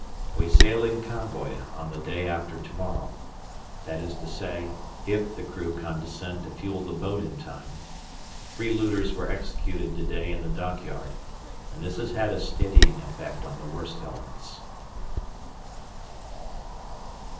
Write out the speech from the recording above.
We sail in convoy on the day after tomorrow; that is to say, if the crew condescend to fuel the boat in time. Three looters were executed to day in the dockyard and this has had a steadying effect on the worst elements.